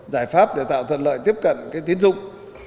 giải pháp để tạo thuận lợi tiếp cận cái tín dụng